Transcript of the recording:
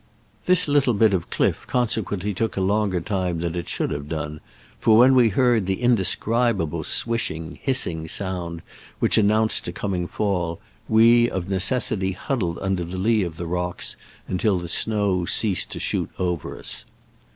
This little bit of cliff consequently took a longer time than it should have done, for when we heard the indescribable swishing, hissing sound which announced a coming fall, we' of necessity huddled under the lee of the rocks until the snow ceased to shoot over us.